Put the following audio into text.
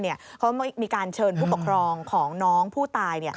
เขามีการเชิญผู้ปกครองของน้องผู้ตาย